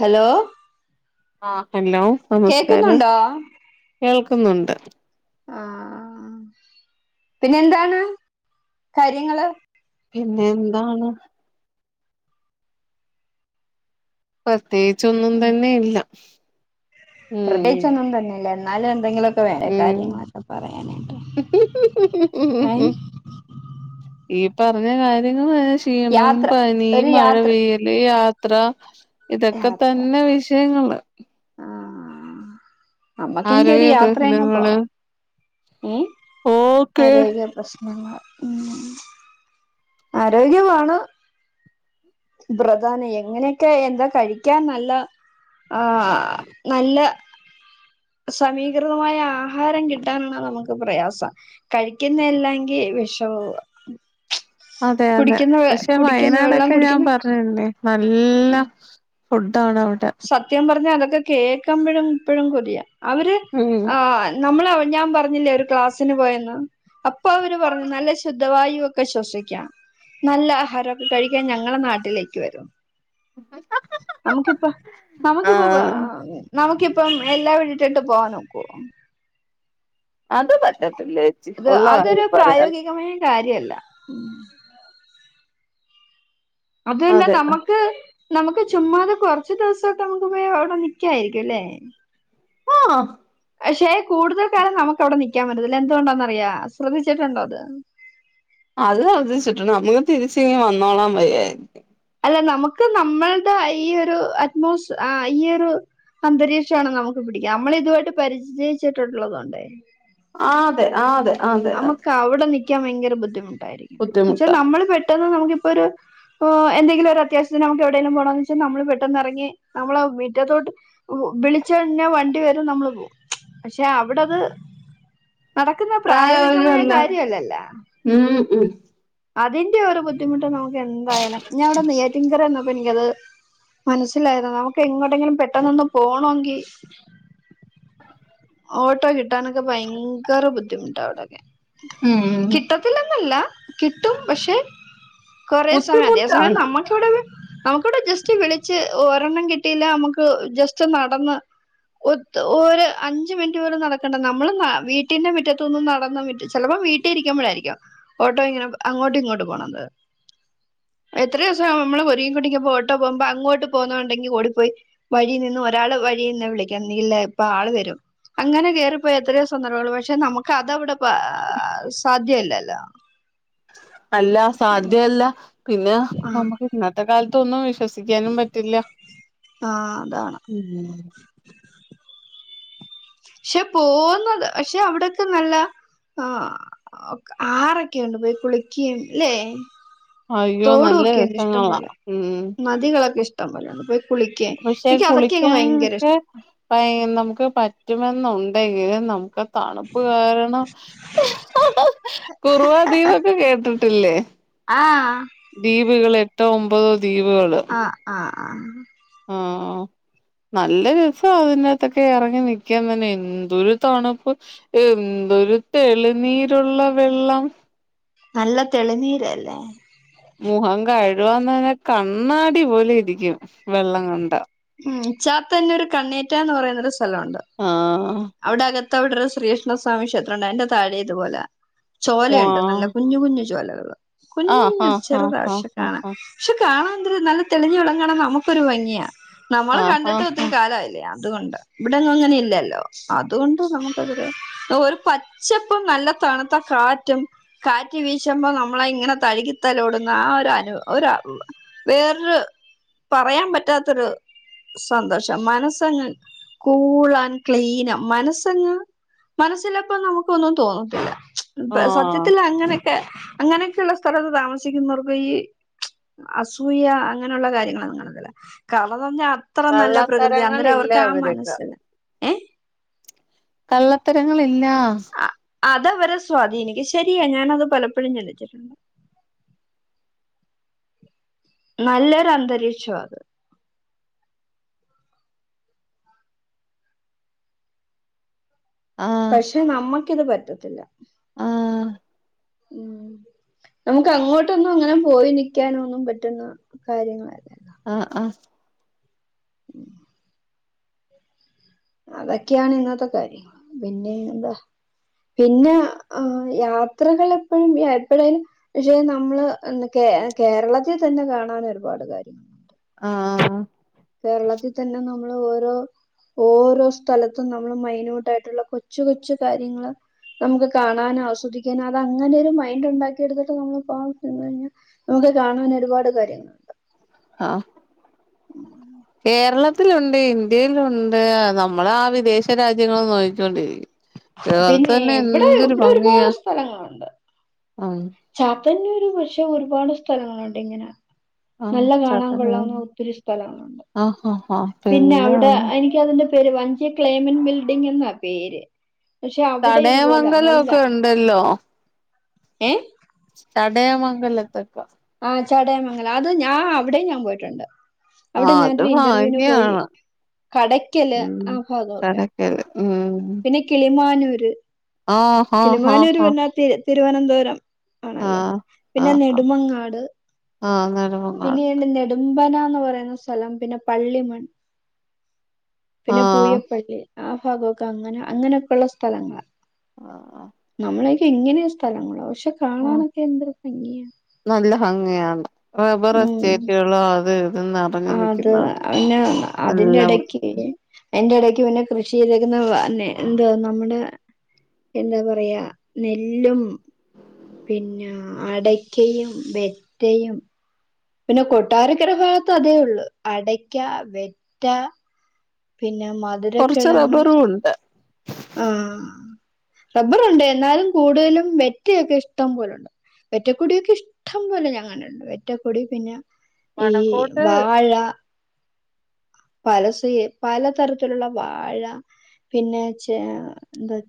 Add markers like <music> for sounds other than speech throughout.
Hello? ആഹ് hello നമസ്കാരം കേക്കുന്നുണ്ടോ കേൾക്കുന്നുണ്ട് ആഹാ ആഹാ. പിന്നെന്താണ് കാര്യങ്ങള്? പിന്നെ എന്താണ് പ്രത്യേയിച്ചൊന്നും തന്നെയില്ല പ്രേത്യായിച്ചൊന്നു തന്നെയില്ല എന്നാലും എന്തെങ്കിലൊ വേറെ ഉം കാര്യങ്ങളൊക്കെ പറയാനായിട്ട് അയ്.. ഈ പറഞ്ഞ കാര്യങ്ങളെന്നെ ക്ഷീണം, യാത്ര പനി, ഒരു മഴ യാത്ര പെയ്യൽ അല്ലി യാത്ര ഇതൊക്കെ യാത്ര തന്നെ വിഷയങ്ങള് ആ നമ്മക്കെങ്കി ആരോഗ്യ പ്രശ്നെങ്ങള് ഏഹ് ആരോഗ്യ പ്രശ്നങ്ങൾ മ് ആരോഗ്യമാണ് പ്രധാനം എങ്ങനെയൊക്കെ എന്താ കഴിക്കാ നല്ല ആഹ് ആഹാ നല്ല സമീകൃതമായ ആഹാരം കിട്ടാനാണ് നമുക്ക് പ്രയാസം കഴിക്കുന്നെ എല്ലായെങ്കി വെഷെവുവാ അതെ അതെ പഷേ വയനാടൊക്കെ ഞാൻ കുടിക്കുന്ന പർ ഞ്ഞ്ണ്ടെ നല്ല ഫുഡാണവ്ടെ സത്യം പറഞ്ഞ അതൊക്കെ കേക്കുമ്പഴും ഇപ്പഴും കൊതിയാ അവര് ഉം ആ നമ്മളവ് ഞാപറഞ്ഞില്ലെ ഒരു ക്ലാസ്സിന് പോയെന്ന് അപ്പൊ അവര് പറഞ്ഞു നല്ല ശുദ്ധ വായു ഒ ക്കെ ശ്വസിക്കാം നല്ല ആഹാരൊക്കെ കഴിക്കാൻ ഞങ്ങളെ നാട്ടിലേക്ക് വെരൂന്ന് നമുക്കിപ്പൊ നക്കിപ്പൊ ആഹ് നമുക്കിപ്പം എല്ലാ വിട്ടിട്ട് പോവാനൊക്കുവൊ? അത് പറ്റത്തില്ലേ അത് അതൊരു പ്രായോഗികമായ കാര്യവെല്ല അതു പിന്നെ അതെ നമ്മക്ക് നമുക്ക് ചുമ്മാതെ കൊറച്ച് ദിവസൊക്കെ നമക്ക് പോയി അവിടെ നിക്കായിരിക്കുലേ? ആഹ് പശെ കൂടുതൽ കാലം നമുക്കവിടെ നിക്കാൻ പറ്റത്തില്ല എന്തുകൊണ്ടാന്നറിയോ? ശ്രദ്ധിച്ചിട്ടുണ്ടോ അത്? അത് ശ്രദ്ധിച്ചിട്ടുണ്ട് നമ്മുക്ക് തിരിച്ചിങ്ങ് വന്നോളാം വെയ്യായിരിക്കും അല്ല നമുക്ക് നമ്മൾടെ ഇയൊരു അറ്റ്മോസ് ആ ഈയൊരു അന്തരീക്ഷാണ് നമുക്ക് പിടിക്കാ നമ്മളിതുവായിട്ട് പരിചയിച്ചിട്ടുള്ളതു കൊണ്ടേയ് ആഹാ തെ ആഹാ തെ അമ്മക്കവ്ടെ നിക്കാൻ ഭയങ്കര ബുദ്ധിമുട്ടായിരിക്കും എന്നെച്ച ബുദ്ധിമുട്ടാ നമ്മള് പെട്ടെന്ന് നമുക്കിപ്പൊരു പ്പൊ എന്തങ്കിലൊരു അത്യാവിശ്യത്തിന് നമുക്ക് എവിടേലും പോണോന്ന് വെച്ചാ നമ്മള് പെട്ടന്നെറങ്ങി നമ്മളെ മിറ്റത്തോട്ട് ഹു വിളിച്ച് കഴിഞ്ഞാ വണ്ടി വെരും നമ്മള് പോകും പക്ഷെ അവിടത് നടക്കുന്ന പ്രായോഗികമായ പ്രായമായവരല്ല കാര്യല്ലല്ലൊ? ഉം ഉം അതിന്റെ ഒരു ബുദ്ധിമുട്ട് നമുക്കെന്തായാലും ഞാ അവ്ടെ നെയ്യാറ്റിങ്കര നിക് പ്പൊ ഇൻക്കത് മനസ്സിലായതാണ് നമുക്ക് എങ്ങട്ടെങ്കിലും പെട്ടെന്നൊന്ന് പോണോങ്കി ഓട്ടോ കിട്ടാനൊക്കെ ഭയങ്കര ബുദ്ധിമുട്ടാവടൊക്കെ ഉം കിട്ട ത്തില്ലെന്നെല്ല കിട്ടും പക്ഷെ കൊറേ സമയം അതേ സമയം ബുദ്ധിമുട്ടാണ് നമ്മ ക്കിവടെന്ന് നമുക്കവ്ടെ ജസ്റ്റ് വിളിച്ച് ഒരെണ്ണം കിട്ടിയില്ല നമുക്ക് ജസ്റ്റ് നടന്ന് ഒത്ത് ഒര് അ ഞ്ച് മിനിറ്റ് പോലും നടക്കണ്ട നമ്മള് നട വീട്ടിന്റെ മുറ്റത്തൂന്ന് നടന്ന മിറ്റ ചെലപ്പൊ വീട്ടിയിരിക്കുമ്പോഴായിരിക്കും ഓട്ടോയിങ്ങനെ അങ്ങോട്ടും ഇങ്ങോട്ട് പോണത് എത്ര ദിവസ നമ്മള് ഒരുങ്ങി കെട്ടുക്കി പോയിട്ടോ പോവുമ്പോ അങ്ങോട്ട് പോകുന്നത് ഒണ്ടെങ്കി ഓടിപ്പോയി വഴി നിന്നും ഒരാള് വഴിന്നെ വിളിക്കണം നീയില്ല എപ്പ ആള് വെരും അങ്ങനെ കേറിപ്പോയ എത്രെയോ സന്ദർഭങ്ങള് പക്ഷെ നമുക്കതവിടെ ബാ സാധ്യവല്ലല്ലൊ? അല്ല സാധ്യവല്ല പിന്നെ ആഹ് നമുക്ക് ഇന്നത്തെ കാലത്തൊന്നും വിഷ ശ്വസിക്കാനും പറ്റില്ല. ആഹ് അതാണ് മ് ക്ഷെ പോവ്ന്നത് പക്ഷെ അവ്ടക്കെ നല്ല ആഹ് ഒക്ക ആറൊക്കെയുണ്ട് പോയി കുളിക്ക്യയും ല്ലേ? അയ്യോ തോടു നല്ല ഒക്കെയെണ്ട് ഇഷ്ടം രസങ്ങളാ പോലെ. ഉം നദികളൊക്കെ ഇഷ്ടം പോലെ ണ്ട് പോയി കുളിക്ക്യാൻ. നിക്കതൊക്കെയങ്ങ് ഭയങ്കര ഇഷ്ടം പ <unintelligible> നമുക്ക് പറ്റുമെന്നുണ്ടെങ്കില് നമുക്ക തണുപ്പ് കാരണം കുറുവാ ദീപൊക്കെ കേട്ട്ട്ടില്ലേ? ആഹ് ദ്വീപ്കള് എട്ടോ, ഒമ്പതോ ദ്വീപ്കള് ആഹ് ആഹ് ആഹ് ആഹ് ആഹ് നല്ല രസാ അതിന്റെത്തൊക്കെ എറങ്ങി നിക്കാൻ തന്നെ എന്തൊരു തണുപ്പ്. എന്തൊര് തെളിനീരുള്ള വെള്ളം നല്ല തെളിനീരല്ലേ? മുഖം കഴുകാന്നന്നെ കണ്ണാടി പോലിരിക്കും വെള്ളംകണ്ടാ. ഉം. ചാത്തന്നൂര് കണ്ണേറ്റ ന്ന് പറയുന്നെരു സ്ഥലോണ്ട്. ആഹ് അവിടെകത് ത്തവിടൊരു ശ്രീകൃഷ്ണ സ്വാമി ക്ഷേത്രണ്ടയിൻ്റെ താഴെ ഇതുപോലാ വാ ചോലയുണ്ട് നല്ല കുഞ്ഞു, കുഞ്ഞ് ചോലകള് കുഞ്ഞു, ആഹ് കുഞ്ഞു ആഹ് ആഹ് ചെറുതാ ആഹ് പക്ഷെ കാണാൻ ആഹ് ക്ഷെ കാണാൻ ന്തൊരു നല്ല തെളിഞ്ഞു വെള്ളം കാണാം നമുക്കൊരു ഭംഗിയാ. നമ്മളെ ആഹ് ആഹ് കണ്ടിട്ട് ആഹ് ഒത്തിരി ആഹ് കാലായില്ലേ? ആഹ് തുകൊണ്ടാ. വ്ടെങ്ങു അങ്ങനെ ഇല്ലല്ലോ. അതുകൊണ്ട് നമുക്കതൊരു ഒരു പച്ചപ്പും നല്ല തണുത്ത കാറ്റും കാറ്റ് വീശുമ്പം നമ്മള ഇങ്ങനെ തഴ്കിത്തലോടുന്ന ആ ഒരനു ഒര വ വേർരു പറയാം പറ്റാത്തൊരു സന്തോഷം. മനസ്സങ്ങ് കൂൾ ആൻ ക്ലീനാ മനസ്സങ്ങ് മനസ്സിലപ്പൊ നമുക്കൊന്നും തോന്നത്തില്ല. ഇപ്പ ആഹ് സത്യത്തില ങ്ങനെ ക്കെ. അങ്ങനെക്കെയുള്ള സ്ഥലത്ത് താമസിക്കുന്നോർക്ക് ഈ അസൂയ അങ്ങനേള്ള കാര്യങ്ങളൊന്നും കാണത്തില്ല. കാരണംന്ന് പർഞ്ഞാ ത്ര നല്ല പ്രകൃതിയാ. അന്നേരം കള്ളത്തരങ്ങളില്ല അവർക്ക് ആ അവര്ക്ക് മനസ്സില കള്ളത്തരങ്ങളില്ലാ. അ അതവരെ സ്വാധീനിക്കും. ശരിയാ ഞാനത് പലപ്പോഴും ചിന്തിച്ചിട്ടുണ്ട്. നല്ലൊരു അന്തരീക്ഷാത് ആഹ് പക്ഷെ നമ്മക്കിത് പറ്റത്തില്ല. ആഹ് ഉം നമുക്കങ്ങോട്ടൊന്നും ങ്ങനെ പോയി നിക്കാനൊന്നും പറ്റുന്ന കാര്യങ്ങളല്ല ആഹ് ആഹ് ഉം അതൊക്കെയാണ് ഇന്നത്തെ കാര്യങ്ങള്. പിന്നെയെന്താ? പിന്നാ ആ യാത്രകളെപ്പഴും എപ്പഴേലും ക്ഷെ നമ്മള് കേ കേരളത്തിൽ തന്നെ കാണാന് ഒരുപാട് കാര്യങ്ങള് ആഹ് ആഹ് കേരളത്തിൽ തന്നെ നമ്മള് ഓരോ ഓരോ സ്ഥലത്തും നമ്മള് മൈന്യുട്ടായിട്ട്ള്ള കൊച്ചു, കൊച്ചു കാര്യങ്ങള് നമുക്ക് കാണാനും ആസ്വദിക്കാനും അത് അങ്ങന ഒരു മൈൻഡ് ഉണ്ടാക്കിയെടുത്തിട്ട് നമ്മള് പോം <unintelligible> ഞ്ഞ നമുക്ക് കാണാൻ ഒരുപാട് കാര്യങ്ങള ആഹ്. കേരള ത്തിലുണ്ട്, ഇന്ത്യേലുണ്ട് നമ്മളാ വിദേശ രാജ്യങ്ങൾ നോയിക്കോണ്ടിരിക്കും. ഇവടെ പിന്നെ തന്നെ ഇവിടെ എന്തൊരു ഇവിടെ ഒരുപാട് ഭംഗിയാ. സ്ഥലങ്ങളുണ്ട് ആഹ് ചാത്തന്നൂര് പക്ഷേ ഒരുപാട് സ്ഥലങ്ങളുണ്ട് ഇങ്ങനാ ആ നല്ല കാണാകൊള്ളാവുന്ന ഒത്തിരി സ്ഥലങ്ങളുണ്ട്. ആ ആ ആ പിന്നാ പിന്നെ അവ്ട എനിക്ക് <unintelligible> അതിന്റെ പേര് വഞ്ചേ ക്ലേമൻ ബിൽഡിംഗ് എന്നാ പേര് പക്ഷെ അവിടെ ഇതുപോലാ നല്ല ടല്ലോ ഏഹ് ചടയമംഗലത്തക്ക ആഹ് ചടയമംഗലം അത് ഞാൻ അവിടേം ഞാൻ പോയിട്ടുണ്ട് ആ അവിടെ അത് ഞാനൊരു ഇന്റർവ്യൂവിന് പോയി ഭാഗ്യാണ് കടക്കല് ഉം ആ ഭാഗോക്കെ <unintelligible> ഉം പിന്നെ കിളിമാനൂര് ആഹ് കിളിമാനൂര് പിന്ന തിരു തിരുവനന്തപുരം ആ ആണല്ലോ പിന്ന നെടുമങ്ങാട് ആഹ് നെടുമ പിന്നേണ്ട്‌ നെടുമ്പനാന്ന് പറയുന്ന സ്ഥലം പിന്നെ പള്ളിമൺ ആ പിന്ന പൂയപ്പള്ളി ആ ഭാഗോക്ക അങ്ങനെ അങ്ങനൊക്കൊള്ള സ്ഥലങ്ങളാ ആ നമ്മളേക്കെ ഇങ്ങനെയാ സ്ഥലങ്ങള പക്ഷെ കാണാനൊക്കെ എന്തൊരു ഭംഗിയാ നല്ല ഭംഗിയാണ് റബർ എസ്റ്റേറ്റുകള് അത് ഇത് നിറഞ്ഞു ആത് നിൽക്കുന്ന പിന്ന നല്ല അതിന്റെടക്ക് ത് എയിന്റെ എടക്ക് പിന്ന കൃഷി ചെയ്തക്കുന്ന അന്നേ എന്തുവാ നമ്മുട എന്താ പറയാ നെല്ലും പിന്ന അടക്കയും വെറ്റയും പിന്ന കൊട്ടാരക്കര ഭാഗത്ത് അതേ ഉള്ളു അടയ്ക്ക വെറ്റ പിന്നെ മധ് കൊറച്ച് റബ്ബറു ഉണ്ട് ആ റബ്ബറൊണ്ട് എന്നാലും കൂടുതലും വെറ്റയൊക്കിഷ്ടം പോലൊണ്ട് വെറ്റക്കുടിയൊക്കെ ഇഷ്ടം പോലെ ഞാൻകണ്ടിണ്ട് വെറ്റക്കൊടി പിന്നെ ഈ വടക്കോട്ട് വാഴ പലസെയേ പലതരത്തിലുള്ള വാഴ പിന്നെ ചേ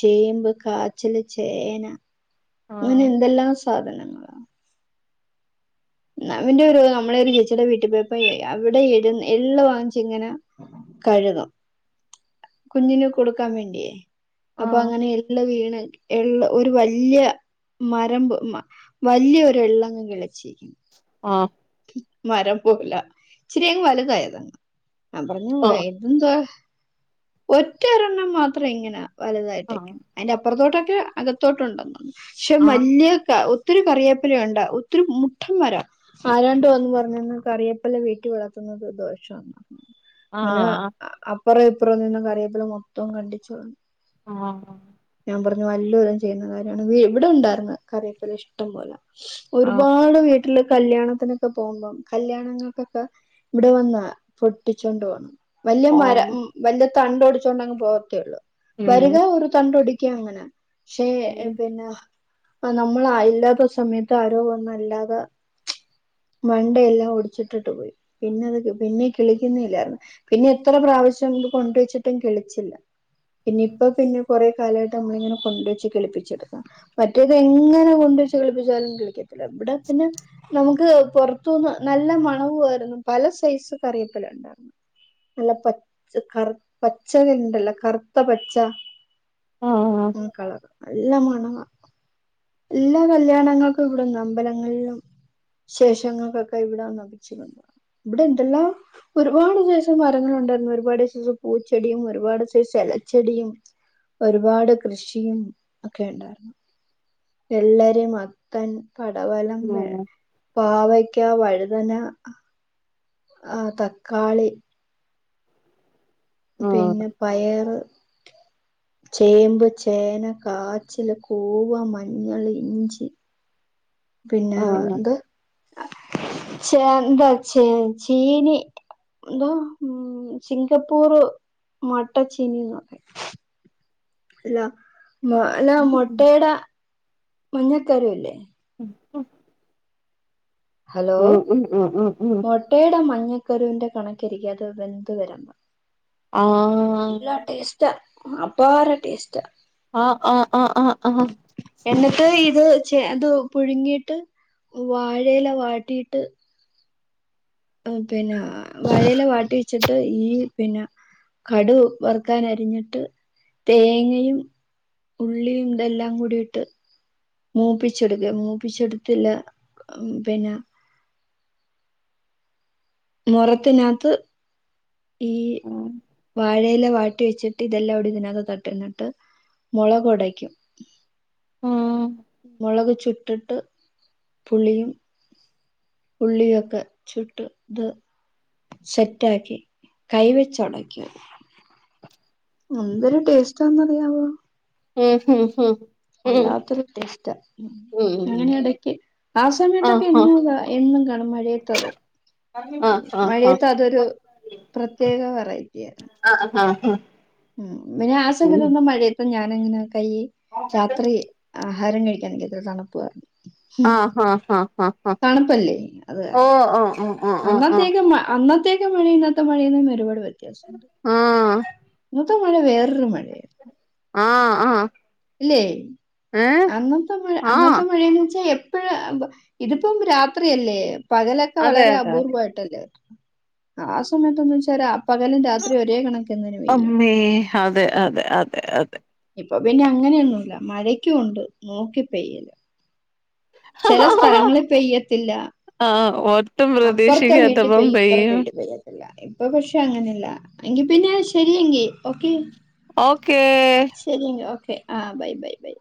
ചേമ്പ് കാച്ചില് ചേന ആഹ് ഇങ്ങനെയെന്തെല്ലാം സാധനങ്ങളാ നവന്റെ ഒരു നമ്മളെരു ചേച്ചീടെ വീട്ടിപോയപ്പോ ഏ അവിടെ എരുന്നെ എളള് വാങ്ങിച്ചിങ്ങനെ കഴുകും കുഞ്ഞിന് കൊടുക്കാംവേണ്ടിയേ അപ്പൊ ആഹ് അങ്ങനെ എള്ള് വീണ എള്ള് ഒരു വല്യാ മരമ്പ് മ വല്യാ ഒരു എള്ളങ്ങ് കിളിച്ചി ആ മരം പോലാ ഇച്ചിരിയങ്ങ് വലുതായതങ്ങ് ഞാൻ പറഞ്ഞു ആഹ് അതെന്തുവാ ഒറ്റൊരണ്ണം മാത്രം ഇങ്ങനാ ആഹ് വലുതായിട്ടേക്ക് അയിന്റപ്പറത്തോട്ടൊക്കെ അകത്തോട്ടൊണ്ടെന്ന് പക്ഷെ ആഹ് മല്യാ കാവും ഒത്തിരി കറിയേപ്പെല ഒണ്ട് ഒത്തിരി മുട്ടം മരം ആരാണ്ട് വന്നു പറഞ്ഞെന്ന് കറിയാപ്പെലാ വീട്ടീ വളർത്തുന്നത് ദോഷാന്ന് ആഹ് മനവാ ആഹ് അപ്പറെ ഇപ്പറെ നിന്ന കറിയേപ്പില മൊത്തം കണ്ടിച്ചോളഞ്ഞു ആ ഞാൻ പറഞ്ഞു വല്ലോരും ചെയ്യുന്ന കാര്യയാണ് ദേ ഇവടെ ഉണ്ടാരുന്ന് കറിയേപെല ഇഷ്ടം പോലെ ആഹ് ഒരുപാട് വീട്ടില് കല്യാണത്തിനൊക്കെ പോകുമ്പം കല്യാണങ്ങൾക്കൊക്കെ ഇവിടെ വന്നാ പൊട്ടിച്ചൊണ്ട് പോ വല്യാ മര ഓഹ് ഉം വലിയ തണ്ടൊടിച്ചോണ്ടങ്ങ് പോത്തേള്ളൂ വരുക ഉം ഒരു തണ്ടൊടിക്കാ അങ്ങനെ പക്ഷേ എ ഉം പിന്നാ ആ നമ്മൾ ആ ഇല്ലാത്ത സമയത്ത് ആരോ വന്നല്ലാതെ മണ്ടെയെല്ലാം ഒടിച്ചിട്ടിട്ട് പോയ് പിന്നത് പിന്നെ കിളിക്കുന്നല്ലാരുന്നു പിന്നെ എത്ര പ്രാവിശ്യം കൊണ്ടുവെച്ചിട്ടും കിളിച്ചില്ല പിന്നെ ഇപ്പപിന്നെ കൊറെ കാലായിട്ട് അമ്മളിങ്ങനെ കൊണ്ടുവെച്ച് കിളിപ്പിച്ചെടുക്കും മറ്റേതെങ്ങനെ കൊണ്ടുവെച്ച് കിളിപ്പിച്ചാലും കിളിക്കത്തില്ല ഇവടെ പിന്നെ നമ്മുക്ക് പൊറത്തൂന്ന് നല്ല മണവുവാരുന്നു പല സൈസ് കറിയേപ്പെല ഇണ്ടാരുന്നു നല്ല പച്ച കറ് പച്ചകെണ്ടല്ലാ കറുത്ത പച്ച ആഹ് ഉം കളറൊക്കെ നല്ല മണവാ എല്ലാ കല്യാണങ്ങൾക്കും ഇവുടുന്നാ അമ്പലങ്ങളിലും വിശേഷങ്ങൾക്കൊക്കെ ഇവടെ വന്നാ പിച്ചിക്കൊണ്ട് പോകുന്നെ ഇവിടെ ഇണ്ടല്ലോ ഒരുപാട് സൈസ് മരങ്ങളുണ്ടാരുന്നു ഒരുപാട് സൈസ് പൂച്ചെടിയും ഒരുപാട് സൈസെലച്ചെടിയും ഒരുപാട് കൃഷിയും ഒക്കെയുണ്ടാരുന്നു വെള്ളരി മത്തൻ കപവലം വെ ഉം പാവയ്ക്കാ വഴുതന ആഹ് തക്കാളി ആഹ് പിന്നെ പയറ് ചെമ്പ് ചേന കാച്ചില് കൂവ മഞ്ഞള് ഇഞ്ചി പിന്നാ ആഹ് എന്ത് ചേന്താ ചേ ചീനി എന്തുവാ ഉം സിംഗപ്പൂർ മട്ട ചീനീന്ന് പറയും അല്ല മാ അല്ലാ ഉം മൊട്ടേടെ മഞ്ഞക്കരുവല്ലേ <unintelligible> ഹലോ ഉം ഉം ഉം ഉം മൊട്ടേടെ മഞ്ഞക്കരുവിന്റെ കണക്കിരിക്കത്‌ വെന്ത് വെരാ ആഹ് ടേസ്റ്റാ അപാര ടേസ്റ്റാ ആഹ് ആഹ് ആഹ് ആഹ് ആഹ് എന്നിട്ട് ഇത് ച അത് പുഴുങ്ങിയിട്ട് വാഴയില വാട്ടിയിട്ട് പിന്നെ വഴയില വാട്ടി വെച്ചിട്ട് ഈ പിന്ന കടു വറുക്കാൻ അരിഞ്ഞിട്ട് തേങ്ങയും ഉള്ളിയും ഇതെല്ലാം കൂടിയിട്ട് മൂപ്പിച്ചെടുക്ക മൂപ്പിച്ചെടുത്തില്ല പിന്ന മുറത്തിനകത്ത് ഈ ഉം വാഴയില വാട്ടി വെച്ചിട്ട് ഇതെല്ലാം കൂടി ഇതിനകത്ത് തട്ടുന്നിട്ട് മുളകുടയ്ക്കും ഉം മുളക് ചുട്ടിട്ട് പുളിയും ഉള്ളിയൊക്കെ ചുട്ട് ഇത് സെറ്റാക്കി കൈവച്ചൊടക്കും എന്തൊരു ടേസ്റ്റന്നറിയാവോ ഉം ഉം ഉം വല്ലാത്തൊരു ടെസ്റ്റ ഉം അങ്ങനെയെടക്ക് ആ സമയത്തൊക്കെ ആഹ് എന്നും എന്നും കാണും മഴയത്തത് ആഹ് ആഹ് ആഹ് മഴയത്ത് ആഹ് അതൊരു പ്രത്യേക വെറൈറ്റി ആയിരുന്നു ആഹ് ഹ ഹാ ഉം പിന്നെ ആ സമത്തന്നും മഴയതും ഞാനങ്ങനെ കയ് യാത്ര ചെയ്യും ആഹാരം കഴിക്കാൻ എനിക്ക്ത്ര തണുപ്പു വരണം ആഹ് ആഹ് തണുപ്പല്ലേ അത് വരണം ആഹ് ആഹ് ആഹ് ആഹ് അന്നത്തേക്ക് മ അന്നത്തേക്ക് മഴയിന്നത്തെ മഴയിൽനിന്നൊരുപാട് വ്യത്യാസണ്ട് ഓ ആഹ് അന്നത്ത മഴ വേറൊരു മഴയാ ആഹ് ആഹ് ഇല്ലേ ഏ അന്നത്തെ മഴ ആഹ് അന്നത്തെ മഴയന്ന്ച്ചാ എപ് പ്പഴും ഇതിപ്പം രാത്രിയല്ലേ പകലൊക്കെ അതെ വളരെ അതെ അപൂർവായിട്ടല്ലേ ആ സമയത്തന്ന് വെച്ചാല് പകലും രാത്രി ഒരേ കണക്കന്നേങ്ങ് പെയ്യും ദേഹ് അഹ് അതെ അതെ അതെ അതെ ഇപ്പൊ പിന്നെ അങ്ങനെയൊന്നുമില്ല മഴയ്ക്കുവൊണ്ട് നോക്കി പെയ്യല് ചെല സ്ഥലങ്ങളിൽ പെയ്യത്തില്ല ആഹ് ഒട്ടും അപ്പറത്തെ വീട്ടിൽ പ്രതീക്ഷിക്കാത്തപ്പം പെയ്യും ഇപ്പുറത്തെ വീട്ടിൽ പെയ്യത്തില്ല ഇപ്പൊ പക്ഷെ അങ്ങനെയില്ല എങ്കി പിന്നെ ശെരിയെങ്കി ഓക്കെ ഓക്കെ ശെരിയെങ്കി ഓക്കെ ആഹ് ബൈ ബൈ ബൈ